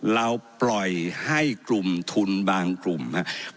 เราปล่อยให้กลุ่มทุนบางกลุ่มครับ